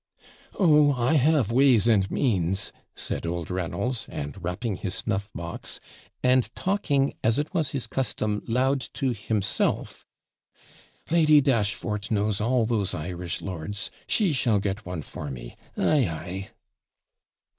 'Oh, I have ways and means,' said old Reynolds; and, rapping his snuff box, and talking, as it was his custom, loud to himself, 'Lady Dashfort knows all those Irish lords; she shall get one for me ay! ay!'